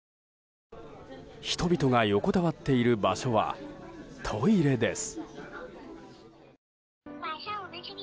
人々が横たわっている場所はトイレです。